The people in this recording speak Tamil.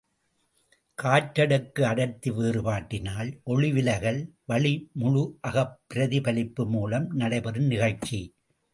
காற்றடுக்கு அடர்த்தி வேறுபாட்டினால் ஒளிவிலகல் வழி முழு அகப் பிரதிபலிப்பு மூலம் நடைபெறும் நிகழ்ச்சி.